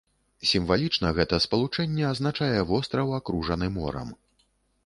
Сімвалічна гэта спалучэнне азначае востраў, акружаны морам.